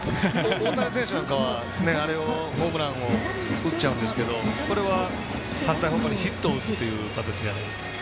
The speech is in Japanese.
大谷選手なんかはあれをホームランを打っちゃうんですけどこれは反対方向にヒットを打つっていう形じゃないですか。